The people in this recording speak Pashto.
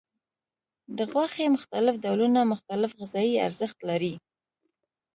د غوښې مختلف ډولونه مختلف غذایي ارزښت لري.